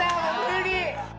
無理！」